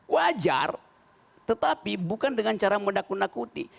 wajar tetapi bukan dengan cara menakut nakuti